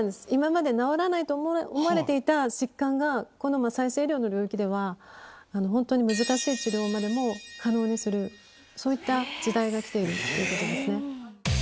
今まで治らないといわれていた疾患が、この再生医療の領域では、本当に難しい治療までも可能にする、そういった時代が来ているっていうことですね。